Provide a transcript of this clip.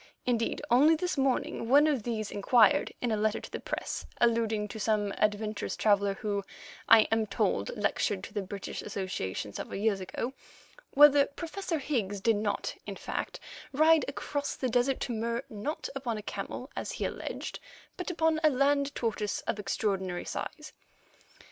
Indeed, only this morning one of these inquired, in a letter to the press, alluding to some adventurous traveller who, I am told, lectured to the British Association several years ago, whether Professor Higgs did not, in fact, ride across the desert to Mur, not upon a camel, as he alleged, but upon a land tortoise of extraordinary size.